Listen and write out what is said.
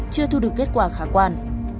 chưa thu được kết quả khả quan